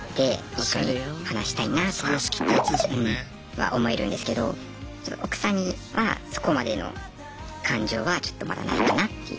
一緒に話したいなとか思えるんですけど奥さんにはそこまでの感情はちょっとまだないかなっていう。